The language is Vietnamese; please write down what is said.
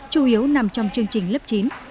chủ yếu nằm trong chương trình lớp chín